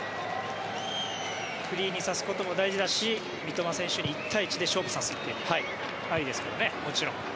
フリーにさせることも大事だし三笘選手に１対１で勝負させるってのもありですからねもちろん。